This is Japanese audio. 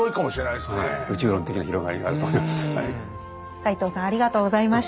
斎藤さんありがとうございました。